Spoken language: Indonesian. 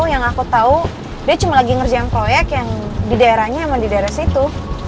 yang aku tahu dia cuma lagi ngerjain proyek yang di daerahnya emang di daerah situ